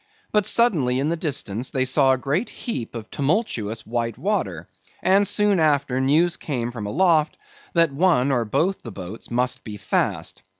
But suddenly in the distance, they saw a great heap of tumultuous white water, and soon after news came from aloft that one or both the boats must be fast.